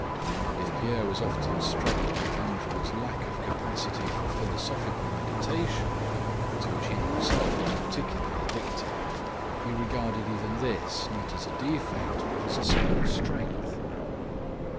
And if Pierre was often struck by Andrew's lack of capacity for philosophical meditation (to which he himself was particularly addicted), he regarded even this not as a defect but as a sign of strength.